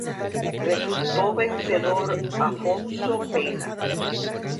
Resultó vencedor Afonso Pena.